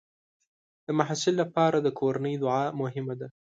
د محصل لپاره د کورنۍ دعا مهمه ده.